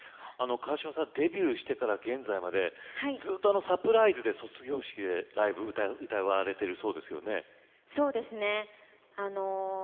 川嶋さんデビューしてから現在まで、ずっとサプライズで卒業式でライブ歌われているそうですね。